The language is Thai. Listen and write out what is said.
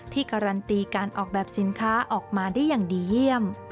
การันตีการออกแบบสินค้าออกมาได้อย่างดีเยี่ยม